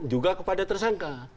juga kepada tersangka